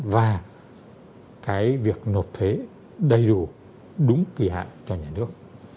và cái việc nộp thuế đầy đủ đúng kỳ hạn cho nhà nước